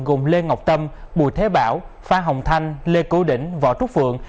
gồm lê ngọc tâm bùi thế bảo pha hồng thanh lê cô đỉnh võ trúc phượng